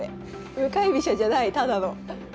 向かい飛車じゃないただの。